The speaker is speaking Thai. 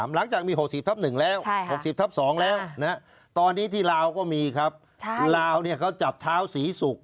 หลังจากมี๖๐ทับ๑แล้ว๖๐ทับ๒แล้วตอนนี้ที่ลาวก็มีครับลาวเขาจับเท้าศรีศุกร์